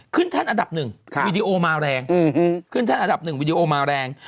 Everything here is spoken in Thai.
ขึ้นท่านอดับหนึ่งวิดีโอมาแรง